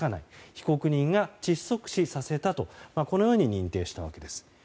被告人が窒息死させたとこのように認定したわけです。